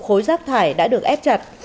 khối sát thải đã được ép chặt